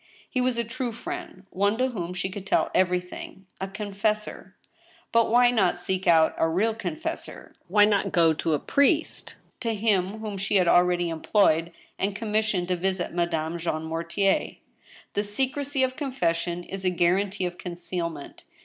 He was a true friend, one to whom she could tell every thing — a confessor. But why not seek out a real confessor? Why not go to a priest — to him whom she had already employed and commissioned to visit Madame Jean Mortier ? The secrecy of confession is a guarantee of concealment.